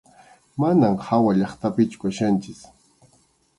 Manam hawallaqtapichu kachkanchik.